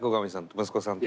息子さんと。